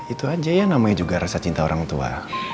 itu aja ya namanya juga rasa cinta orang tua